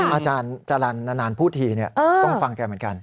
อาจารย์นานานพูดทีเนี่ยต้องฟังแกเหมือนกัน